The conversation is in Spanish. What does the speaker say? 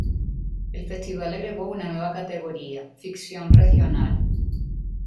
El festival agregó una nueva categoría: Ficción Regional.